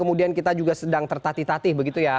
kemudian kita juga sedang tertati tatih begitu ya